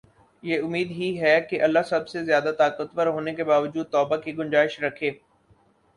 یہ امید ہی ہے کہ اللہ سب سے زیادہ طاقتور ہونے کے باوجود توبہ کی گنجائش رکھے